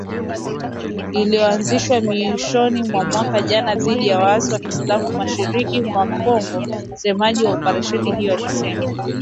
Iliyoanzishwa mwishoni mwa mwaka jana dhidi ya waasi wa kiislamu mashariki mwa Kongo, msemaji wa operesheni hiyo alisema